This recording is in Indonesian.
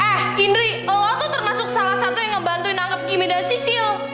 eh indri lo tuh termasuk salah satu yang ngebantuin anggap kimi dan sisil